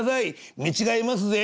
見違えますぜえ」。